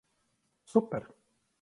Super!